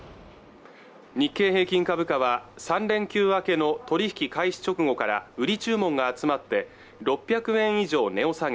日経平均株価は３連休明けの取引開始直後から売り注文が集まって６００円以上値を下げ